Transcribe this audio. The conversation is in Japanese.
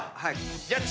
ジャッジ。